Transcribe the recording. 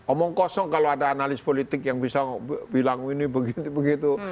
omong kosong kalau ada analis politik yang bisa bilang ini begitu begitu